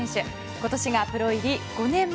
今年がプロ入り５年目。